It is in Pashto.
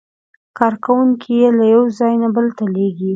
کارکوونکي یې له یو ځای نه بل ته لېږي.